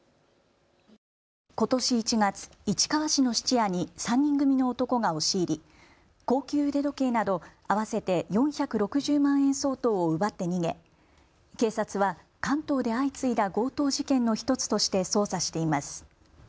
ことし１月、市川市の質屋に３人組の男が押し入り高級腕時計など合わせて４６０万円相当を奪って逃げ警察は関東で相次いだ強盗事件の１つとして捜査しています。